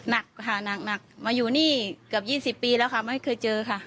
หนักค่ะหนักมาอยู่นี่เกือบ๒๐ปีแล้วค่ะไม่เคยเจอค่ะ